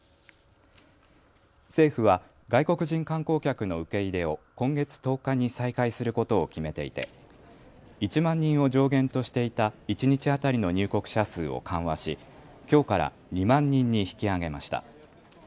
政府は外国人観光客の受け入れを今月１０日に再開することを決めていて１万人を上限としていた一日当たりの入国者数を緩和しきょうから２万人に引き上げました。